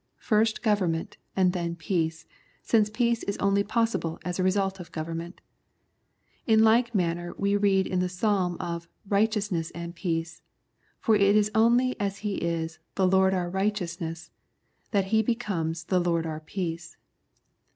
First government and then peace, since peace is only possible as a result of government. In like manner we read in the psalm of " right eousness and peace," for it is only as He is " the Lord our righteousness " that He be comes the Lord our peace.